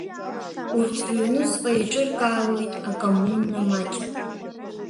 Урҭ рыҩнуҵҟа еиҿыркаауеит акоммуна маҷ.